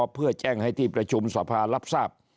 เพื่อแจ้งให้ที่ประชุมสภารับทราบ